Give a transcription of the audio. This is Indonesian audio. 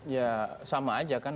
ya sama aja kan